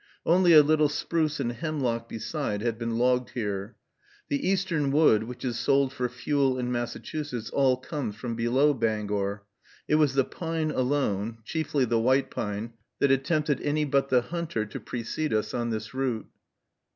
Only a little spruce and hemlock beside had been logged here. The Eastern wood which is sold for fuel in Massachusetts all comes from below Bangor. It was the pine alone, chiefly the white pine, that had tempted any but the hunter to precede us on this route.